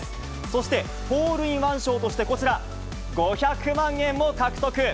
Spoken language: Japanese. そして、ホールインワン賞として、こちら、５００万円も獲得。